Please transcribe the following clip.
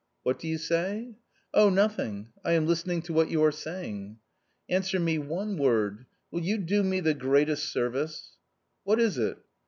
" What do you say ?"" Oh nothing. I am listening to what you are saying." "Answer me one word; will you do me the greatest service ?" "What is it?"